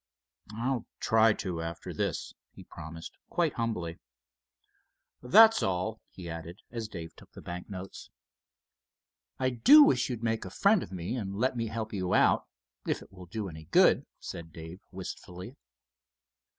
"I'll try to after this," he promised, quite humbly. "That's all," he added, as Dave took the bank notes. "I do wish you'd make a friend of me and let me help you out, if it will do any good," said Dave, wistfully.